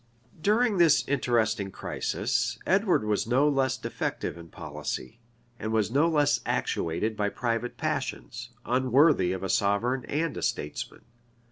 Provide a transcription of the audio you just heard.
During this interesting crisis, Edward was no less defective in policy, and was no less actuated by private passions, unworthy of a sovereign and a statesman.